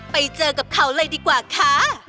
ไปเจอกับเขาเลยดีกว่าค่ะ